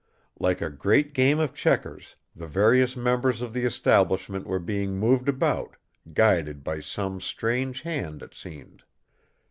Like a great game of checkers, the various members of the establishment were being moved about, guided by some strange hand, it seemed.